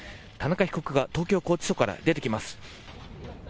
田中被告が東京拘置所から出てきます。